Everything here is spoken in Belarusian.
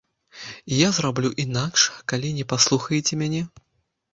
І я зраблю інакш, калі не паслухаеце мяне!